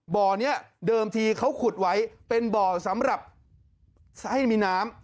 บ่อนี้เดิมทีเขาขุดไว้เป็นบ่อสำหรับให้มีน้ำ